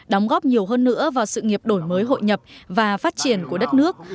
đóng góp nhiều hơn nữa vào sự nghiệp đổi mới hội nhập và phát triển của đất nước